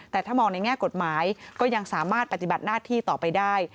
แต่ถ้ามองในแง่กฎหมายก็ยังสามารถปฏิบัติหน้าที่ต่อไปได้